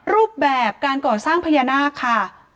รูปแบบการก่อสร้างพญานาคค่ะ